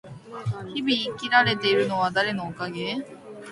日々生きられているのは誰のおかげ？